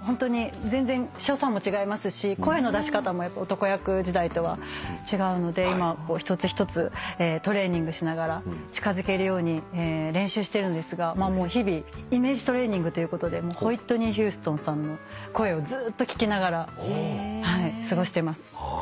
ホントに全然所作も違いますし声の出し方も男役時代とは違うので今一つ一つトレーニングしながら近づけるように練習してますが日々イメージトレーニングということでホイットニー・ヒューストンさんの声をずーっと聞きながら過ごしてます。